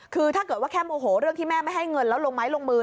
คือถ้าเกิดว่าแค่โมโหเรื่องที่แม่ไม่ให้เงินแล้วลงไม้ลงมือ